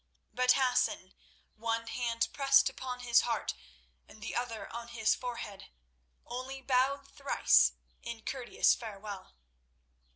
But Hassan, one hand pressed upon his heart and the other on his forehead, only bowed thrice in courteous farewell.